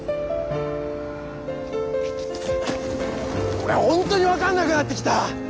俺ホントに分かんなくなってきた！